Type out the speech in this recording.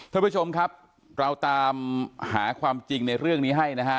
ท่านผู้ชมครับเราตามหาความจริงในเรื่องนี้ให้นะฮะ